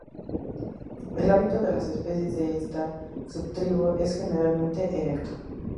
El hábito de las especies de esta subtribu es generalmente erecto.